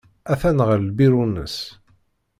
Atan ɣer lbiru-nnes.